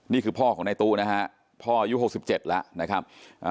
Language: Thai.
นี่คือพ่อของในตู้นะฮะพ่อยู่หกสิบเจ็ดแล้วนะครับ